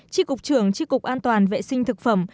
tri cục trưởng tri cục an toàn vệ sinh thực phẩm